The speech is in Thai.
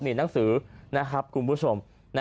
นี่หนังสือนะครับคุณผู้ชม